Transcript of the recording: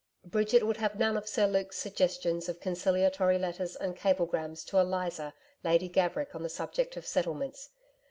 Bridget would have none of Sir Luke's suggestions of conciliatory letters and cablegrams to Eliza Lady Gaverick on the subject of settlements.